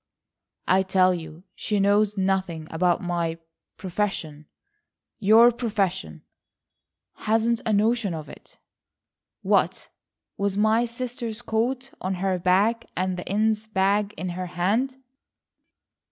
"I tell you she knows nothing about my—profession." "Your profession!" "Hasn't a notion of it." "What, with my sister's coat on her back, and the Innes' bag in her hand?"